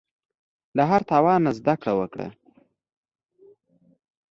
له هر تاوان نه زده کړه وکړه.